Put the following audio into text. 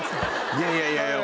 いやいやいやいや。